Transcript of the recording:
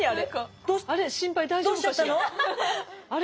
あれ？